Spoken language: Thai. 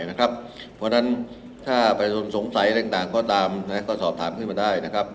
เพราะฉะนั้นถ้าแผนศูนย์สงสัยเรื่องต่างก็ตามก็สอบถามขึ้นมาได้นะครับ